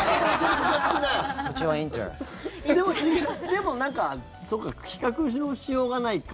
でも、そっか比較のしようがないか。